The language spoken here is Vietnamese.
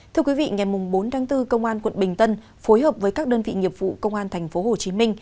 thưa quý vị ngày bốn tháng bốn công an quận bình tân phối hợp với các đơn vị nghiệp vụ công an tp hcm